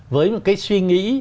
với một cái suy nghĩ